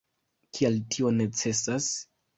Kial tio necesas?